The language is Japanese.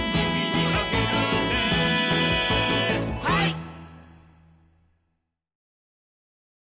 はい！